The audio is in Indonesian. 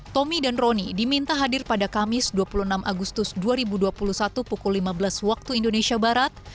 tommy dan roni diminta hadir pada kamis dua puluh enam agustus dua ribu dua puluh satu pukul lima belas waktu indonesia barat